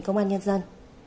công an nhân dân